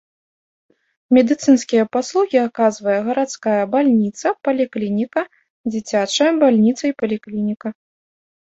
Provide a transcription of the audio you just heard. Медыцынскія паслугі аказвае гарадская бальніца, паліклініка, дзіцячыя бальніца і паліклініка.